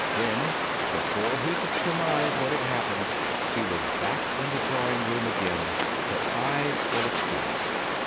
Then, before he could surmise what had happened, she was back in the drawing room again, her eyes full of tears.